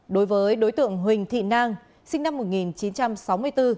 đối với đối tượng huỳnh thị nang sinh năm một nghìn chín trăm sáu mươi bốn